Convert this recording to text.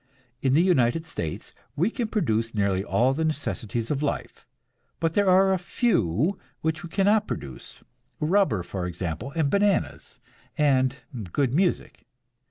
In the United States we can produce nearly all the necessities of life, but there are a few which we cannot produce rubber, for example, and bananas, and good music.